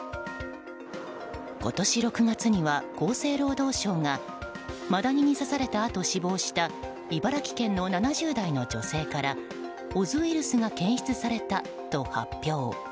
今年６月には、厚生労働省がマダニに刺されたあと死亡した茨城県の７０代の女性からオズウイルスが検出されたと発表。